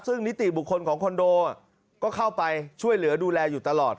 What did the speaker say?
ซึ่งนิติบุคคลของคอนโดก็เข้าไปช่วยเหลือดูแลอยู่ตลอด